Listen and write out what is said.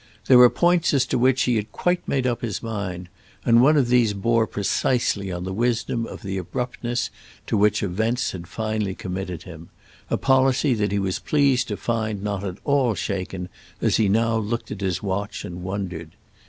There were points as to which he had quite made up his mind, and one of these bore precisely on the wisdom of the abruptness to which events had finally committed him, a policy that he was pleased to find not at all shaken as he now looked at his watch and wondered.